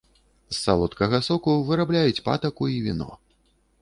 З салодкага соку вырабляюць патаку і віно.